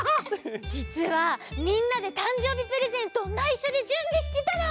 じつはみんなでたんじょうびプレゼントをないしょでじゅんびしてたの！